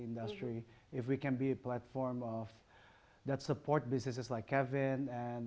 jika kami bisa menjadi platform yang mendukung bisnis seperti kevin